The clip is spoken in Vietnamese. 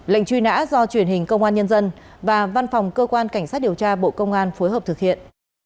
lệnh truy nã do truyền hình công an nhân dân và văn phòng cơ quan cảnh sát điều tra bộ công an phối hợp thực hiện